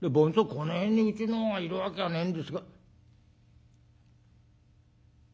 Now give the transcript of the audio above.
この辺にうちのがいるわけがねえんですが」。